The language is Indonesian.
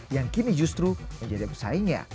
yang kini justru menjadi pesaingnya